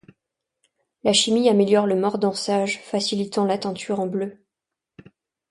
La chimie améliore le mordançage, facilitant la teinture en bleu.